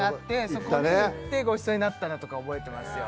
そこに行ってごちそうになったのとか覚えてますよ